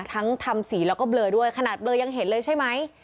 ทำสีแล้วก็เบลอด้วยขนาดเบลอยังเห็นเลยใช่ไหม